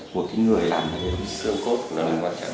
của cái người làm này